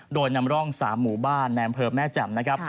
โดยนำร่องสามหมู่บ้านแนมเพิ่มแม่จำนะครับ